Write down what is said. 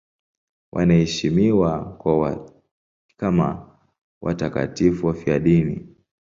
Wanaheshimiwa kama watakatifu wafiadini.